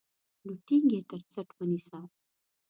نو ټينګ يې تر څټ ونيسه.